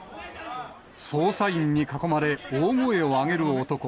捜査員に囲まれ、大声を上げる男。